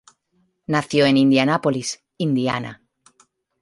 Nació en Indianápolis, Indiana.